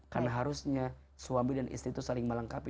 karena harusnya suami dan istri itu saling melengkapi